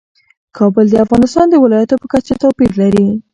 کابل د افغانستان د ولایاتو په کچه توپیر لري.